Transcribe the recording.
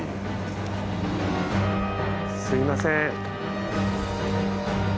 すいません。